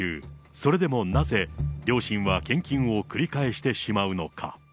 それでもなぜ、両親は献金を繰り返してしまうのか。